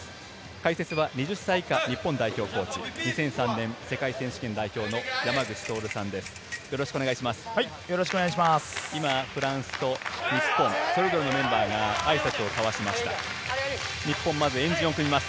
解説は２０歳以下日本代表コーチ、２００３年世界選手権代表の山口徹さんです、よろしくお願いします。